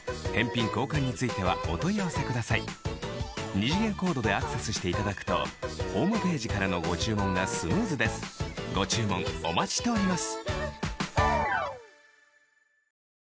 二次元コードでアクセスしていただくとホームページからのご注文がスムーズですご注文お待ちしております